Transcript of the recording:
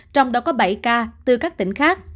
trong đó có bảy ca từ các tỉnh khác